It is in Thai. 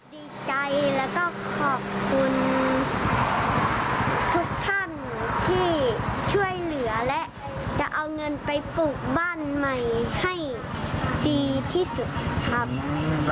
ดีใจแล้วก็ขอบคุณทุกท่านที่ช่วยเหลือและจะเอาเงินไปปลูกบ้านใหม่ให้ดีที่สุดครับ